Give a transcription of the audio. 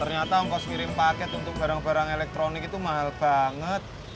ternyata ongkos kirim paket untuk barang barang elektronik itu mahal banget